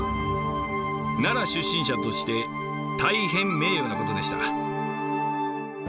奈良出身者として大変名誉なことでした。